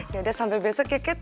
yaudah sampe besok ya kat